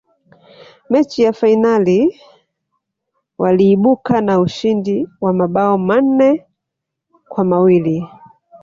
mechi ya fainali waliibuka na ushindi wa mabao manne kwa mawili